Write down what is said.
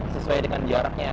sesuai dengan jaraknya